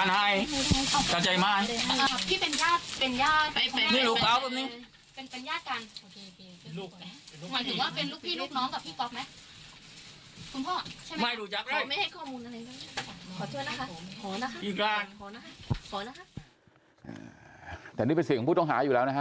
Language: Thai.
ขอนะคะขอนะคะแต่แบบนี้เป็นสิทธิ์ของผู้ท้องหาอยู่แล้วนะ